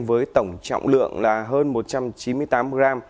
với tổng trọng lượng hơn một trăm chín mươi tám g